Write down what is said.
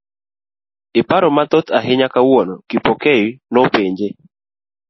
iparo mathoth ahinya kawuono, Kipokeo nopenje.